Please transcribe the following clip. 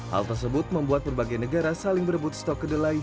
hal tersebut membuat berbagai negara saling berebut stok kedelai